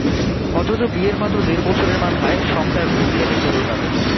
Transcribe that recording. অথচ বিয়ের মাত্র দেড় বছরের মাথায় সংসার গুটিয়ে নিতে হলো তাঁদের।